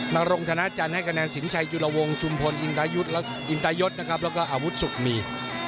นรงธนาจันทร์ให้คะแนนสินชัยจุฬวงศ์สุมพลอินตายศและอาวุธสุขมี